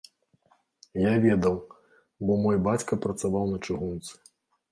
Я ведаў, бо мой бацька працаваў на чыгунцы.